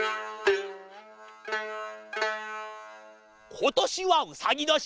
ことしはうさぎどし！